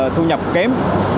thu nhập kém